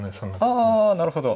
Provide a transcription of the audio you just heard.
あなるほど。